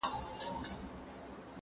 زه مېوې نه وچوم،